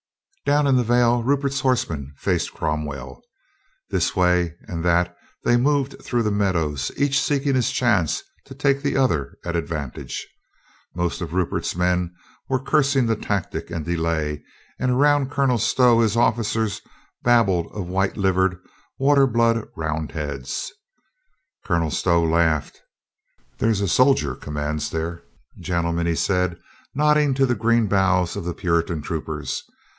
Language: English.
Down in the vale Rupert's horsemen faced Crom well. This way and that they moved through the meadows, each seeking his chance to take the other at advantage. Most of Rupert's men were cursing the tactic and delay, and around Colonel Stow his officers babbled of white livered, water blood Roundheads. Colonel Stow laughed. "There's a soldier commands there, gentlemen," he said, nod NEVv^BURY VALE 175 ding to the green boughs of the Puritan troopers.